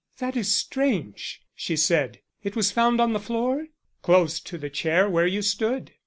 "That is strange," she said. "It was found on the floor?" "Close to the chair where you stood."